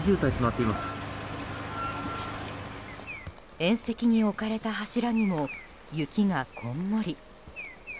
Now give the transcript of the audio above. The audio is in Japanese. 縁石に置かれた柱にも雪がこんもり。